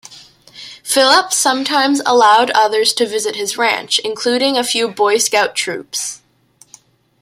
Phillips sometimes allowed others to visit his ranch, including a few Boy Scout troops.